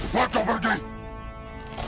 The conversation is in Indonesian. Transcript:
buat kau pergi